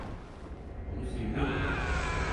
Onu seviyordu.